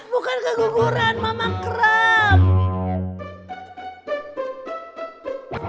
bukan keguguran mama krem